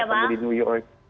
waktu itu belum pandemi ya bang